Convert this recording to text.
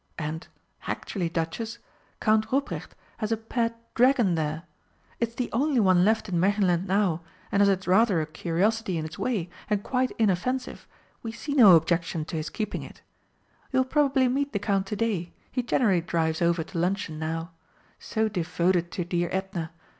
And actually, Duchess! Count Ruprecht has a pet dragon there it's the only one left in Märchenland now, and as it's rather a curiosity in its way, and quite inoffensive, we see no objection to his keeping it. You will probably meet the Count to day, he generally drives over to luncheon now so devoted to dear Edna!